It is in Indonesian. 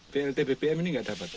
blt bbm ini nggak dapat